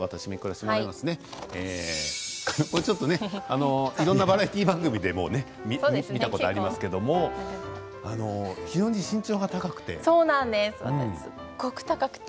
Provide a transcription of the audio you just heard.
これちょっとねいろんなバラエティー番組でも見たことありますけど非常に身長が高くて。